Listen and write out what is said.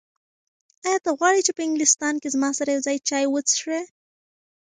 ایا ته غواړې چې په انګلستان کې زما سره یو ځای چای وڅښې؟